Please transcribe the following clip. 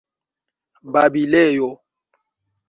babilejo